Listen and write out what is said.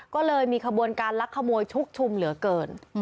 ก็เลยมีขบวนการลักขโมยชุกชุมเหลือเกิน